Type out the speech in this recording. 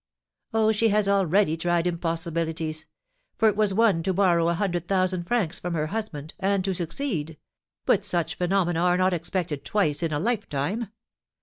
"Oh, she has already tried impossibilities; for it was one to borrow a hundred thousand francs from her husband, and to succeed; but such phenomena are not expected twice in a lifetime.